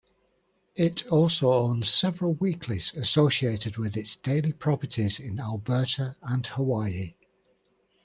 It also owns several weeklies associated with its daily properties in Alberta and Hawaii.